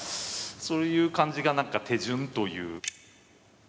そういう感じがなんか手順という。